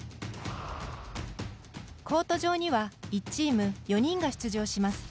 コート上には１チーム４人が出場します。